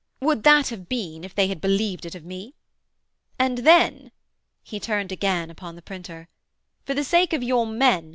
Would that have been if they had believed it of me?... And then....' He turned again upon the printer. 'For the sake of your men ...